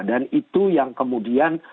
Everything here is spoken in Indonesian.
dan itu yang kemudian